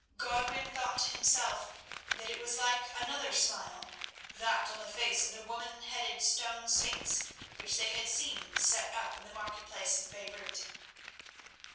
Godwin thought to himself that it was like another smile, that on the face of the woman headed, stone sphinx which they had seen set up in the market place of Beirut.